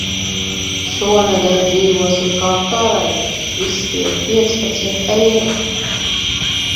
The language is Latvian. Šonedēļ dzīvosim kā karaļi, izspiedu piecpadsmit eiro.